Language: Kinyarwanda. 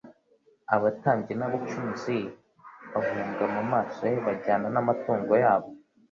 Abatambyi n'abacumzi bahunga mu maso he bajyana n"amatungo yabo.